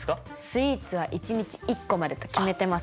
スイーツは一日１個までと決めてますんで。